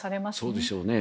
そうでしょうね。